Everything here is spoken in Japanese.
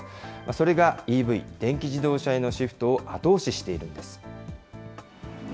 それがＥＶ・電気自動車へのシフトを後押ししているんです。